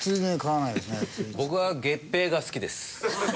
僕は月餅が好きです。